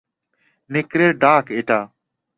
নেকড়ের ডাক এটা।